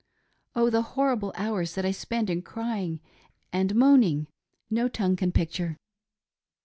Oh ! the horrible hours tuat I spent in crying and moaning, no tongue can picture.